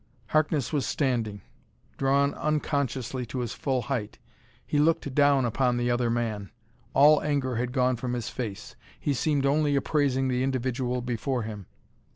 Harkness was standing, drawn unconsciously to his full height. He looked down upon the other man. All anger had gone from his face; he seemed only appraising the individual before him.